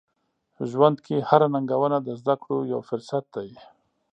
ژوند کې هره ننګونه د زده کړو یو فرصت دی.